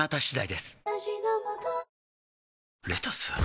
レタス！？